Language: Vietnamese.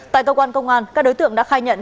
tại cơ quan công an các đối tượng đã khai nhận